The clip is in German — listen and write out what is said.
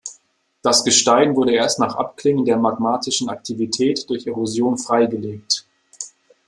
Das Gestein wurde erst nach Abklingen der magmatischen Aktivität durch Erosion freigelegt.